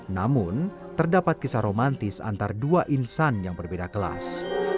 namun terdapat kisah romantis antar dua insan yang berbeda kelas